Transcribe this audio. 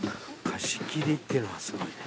貸し切りっていうのがすごいね。